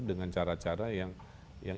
dengan cara cara yang